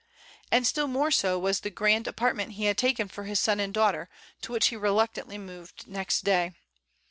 And still more so was the grand apart ment he had taken for his son and daughter, to which he reluctantly moved next day.